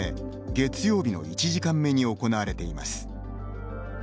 月曜日の１時間目に行われています。